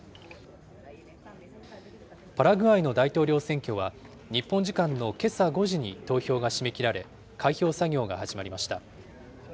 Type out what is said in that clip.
パラグアイの大統領選挙は、日本時間のけさ５時に投票が締め切られ、開票作業が始まりました。